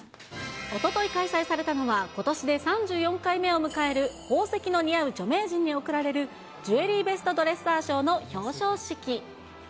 おととい開催されたのは、ことしで３４回目を迎える宝石の似合う著名人に贈られる、ジュエリーベストドレッサー賞の表彰式。